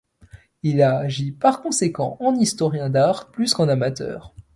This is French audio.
Il agit par conséquent en historien d'art plus qu'en amateur.